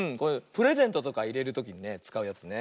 プレゼントとかいれるときにねつかうやつね